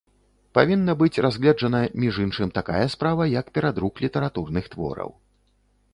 Павінна быць разгледжана, між іншым, такая справа, як перадрук літаратурных твораў.